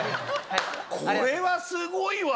これはすごいわ。